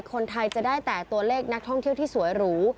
คนไทยจะได้แต่ตัวเลขนักท่องเที่ยวที่สวยหรู